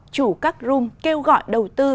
chủ các room kêu gọi đầu tư